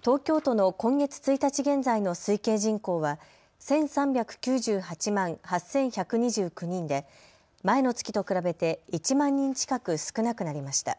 東京都の今月１日現在の推計人口は１３９８万８１２９人で前の月と比べて１万人近く少なくなりました。